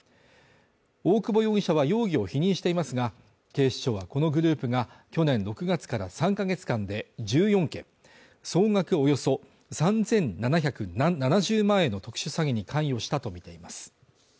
大久保容疑者は容疑を否認していますが、警視庁はこのグループが去年６月から３ヶ月間で１４件、総額およそ３７７０万円の特殊詐欺に関与したとみています。